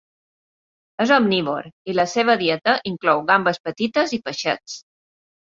És omnívor i la seua dieta inclou gambes petites i peixets.